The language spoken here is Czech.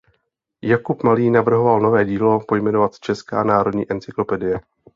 Jakub Malý navrhoval nové dílo pojmenovat "Česká národní encyklopedie".